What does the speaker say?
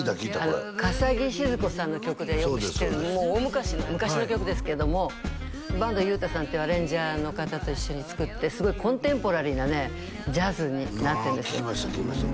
笠置シヅ子さんの曲でよく知ってるもう大昔の昔の曲ですけども坂東祐大さんっていうアレンジャーの方と一緒に作ってすごいコンテンポラリーなねジャズになってるんですよ聴きました聴きました